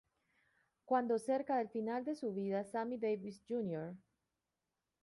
Cuando cerca del final de su vida Sammy Davis Jr.